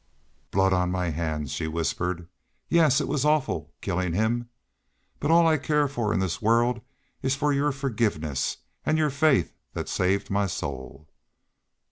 "Blood on my hands!" she whispered. "Yes. It was awful killing him.... But all I care for in this world is for your forgiveness and your faith that saved my soul!"